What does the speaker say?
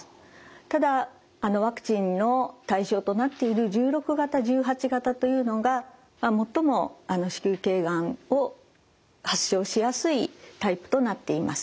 ただワクチンの対象となっている１６型・１８型というのが最も子宮頸がんを発症しやすいタイプとなっています。